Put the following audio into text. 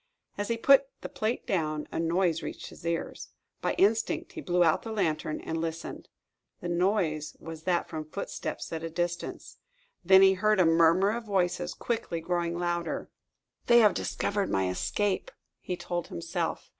As he put the plate down, a noise reached his ears. By instinct, he blew out the lantern and listened. The noise was that from footsteps at a distance. Then he heard a murmur of voices, quickly growing louder. "They have discovered my escape," he told himself.